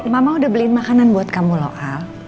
mama udah beliin makanan buat kamu loh al